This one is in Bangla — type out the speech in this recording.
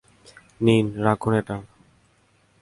নিন, রাখুন এটা।